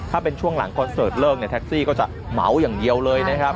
ถ้าเป็นช่วงหลังคอนเสิร์ตเลิกเนี่ยแท็กซี่ก็จะเหมาอย่างเดียวเลยนะครับ